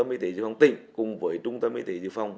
bộ y tế dự phòng tỉnh cùng với trung tâm y tế dự phòng